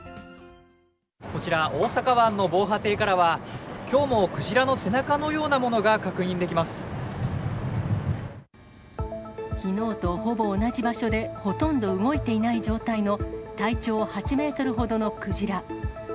こちら、大阪湾の防波堤からは、きょうもクジラの背中のようなものが確認きのうとほぼ同じ場所で、ほとんど動いていない状態の体長８メートルほどのクジラ。